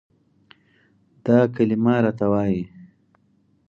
دا کلمه راته وايي،